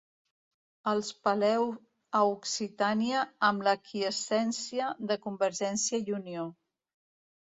Els peleu a Occitània amb l'aquiescència de Convergència i Unió.